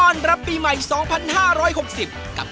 สวัสดีค่ะ